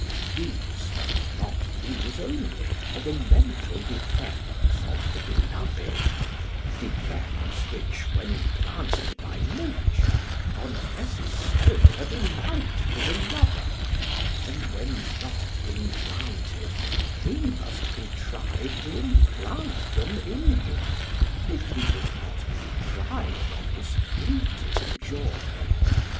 These, and not these only, are the mental defects of the beloved; defects which, when implanted by nature, are necessarily a delight to the lover, and when not implanted, he must contrive to implant them in him, if he would not be deprived of his fleeting joy.